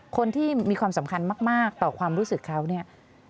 คนที่มีความสำคัญมากต่อความรู้สึกเขาเนี่ย